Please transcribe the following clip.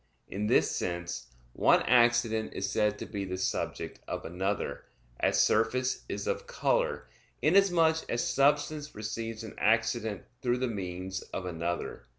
In this sense one accident is said to be the subject of another; as surface is of color, inasmuch as substance receives an accident through the means of another.